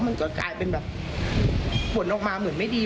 มันก็กลายเป็นแบบผลออกมาเหมือนไม่ดี